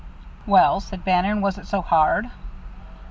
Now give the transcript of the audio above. "Well," said Bannon, "was it so hard?"